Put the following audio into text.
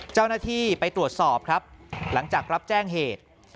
เจ้าหน้าที่ไปตรวจสอบครับหลังจากรับแจ้งเหตุ